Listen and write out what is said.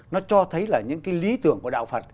nó cho thấy là những cái lý tưởng của đạo phật